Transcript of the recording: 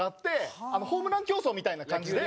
ホームラン競争みたいな感じで。